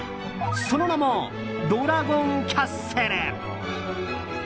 その名も、ドラゴンキャッスル。